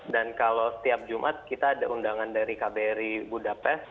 dan kalau setiap jumat kita ada undangan dari kbri budapest